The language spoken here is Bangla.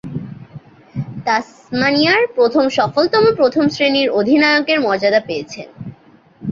তাসমানিয়ার প্রথম সফলতম প্রথম-শ্রেণীর অধিনায়কের মর্যাদা পেয়েছেন।